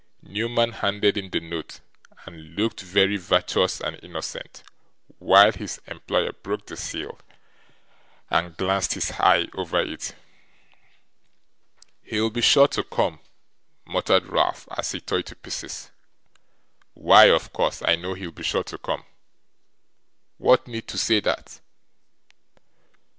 Newman handed in the note, and looked very virtuous and innocent while his employer broke the seal, and glanced his eye over it. 'He'll be sure to come,' muttered Ralph, as he tore it to pieces; 'why of course, I know he'll be sure to come. What need to say that?